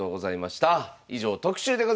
以上特集でございました。